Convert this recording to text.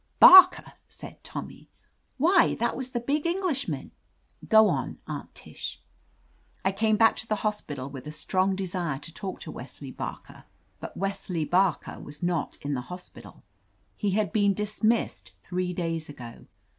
''Barker !" said Tommy. "Why, that was the big Englishman —! Go on. Aunt Tish." "I came back to the hospital with a strong desire to talk to Wesley Barker, but Wesley Barker was not in the hospital. He had been dismissed three days ago.